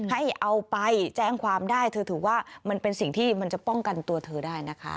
ให้เอาไปแจ้งความได้เธอถือว่ามันเป็นสิ่งที่มันจะป้องกันตัวเธอได้นะคะ